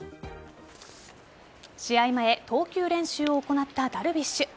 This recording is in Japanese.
試合前投球練習を行ったダルビッシュ。